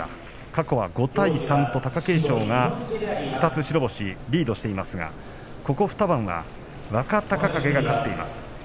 過去５対３と貴景勝が２つ白星をリードしていますがここ２場所は若隆景が勝っています。